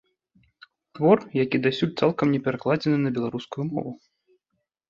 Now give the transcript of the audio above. Твор, які дасюль цалкам не перакладзены на беларускую мову.